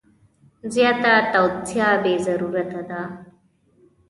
زیاته توصیه بې ضرورته ده.